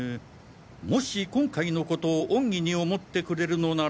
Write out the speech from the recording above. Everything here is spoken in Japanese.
もし今回の事を恩義に思ってくれるのなら。